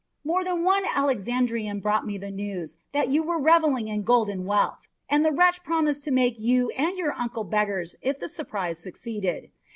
More than one Alexandrian brought me the news that you were revelling in golden wealth, and the wretch promised to make you and your uncle beggars if the surprise succeeded.